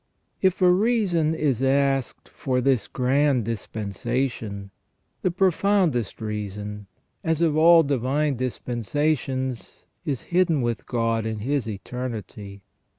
If a reason is asked for this grand dispensation, the profoundest reason, as of all divine dispensations, is hidden with God in His eternity.